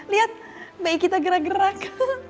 lihat baik kita gerak gerak